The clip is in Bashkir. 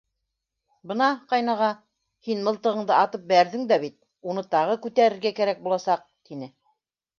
— Бына, ҡайнаға, һин мылтығыңды атып бәрҙең дә бит, уны тағы күтәрергә кәрәк буласаҡ, — тине.